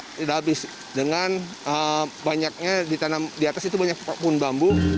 supaya air ini tidak habis dengan banyaknya di tanam di atas itu banyak pokok pun bambu